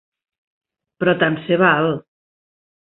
Però tant se val!